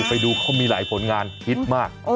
ไปดูเขามีหลายผลงานฮิตมาก